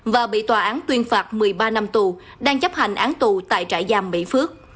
và bị tòa án tuyên phạt một mươi ba năm tù đang chấp hành án tù tại trại giam mỹ phước